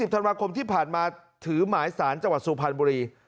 ธันวาคมที่ผ่านมาถือหมายสารจังหวัดสุพรรณบุรี